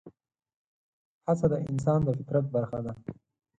هڅه د انسان د فطرت برخه ده.